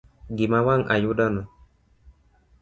Gima wang ayudo no.